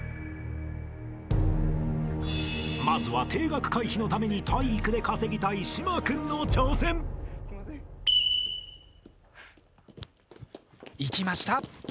［まずは停学回避のために体育で稼ぎたい島君の挑戦］いきました。